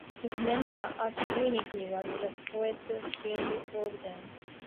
His mentor at Trinity was the poet Hugh Ogden.